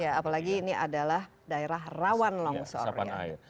apalagi ini adalah daerah rawan longsor